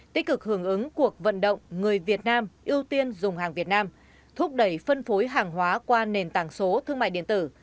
tích cực hưởng ứng cuộc vận động người việt nam ưu tiên dùng hàng việt nam thúc đẩy phân phối hàng hóa qua nền tảng số thương mại điện tử